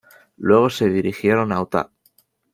Luego se dirigieron a Utah.